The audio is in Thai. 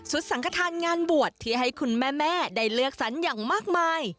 สังขทานงานบวชที่ให้คุณแม่ได้เลือกสรรอย่างมากมาย